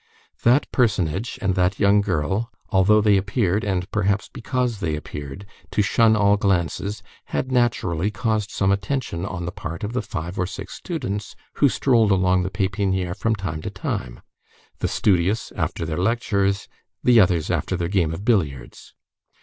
That personage, and that young girl, although they appeared,—and perhaps because they appeared,—to shun all glances, had, naturally, caused some attention on the part of the five or six students who strolled along the Pépinière from time to time; the studious after their lectures, the others after their game of billiards.